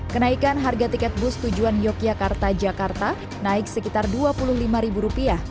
kenaikan harga tiket bus tujuan yogyakarta jakarta naik sekitar rp dua puluh lima